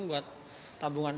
buat tabungan gitu